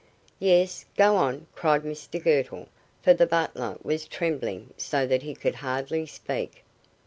"Yes go on," cried Mr Girtle, for the butler was trembling so that he could hardly speak.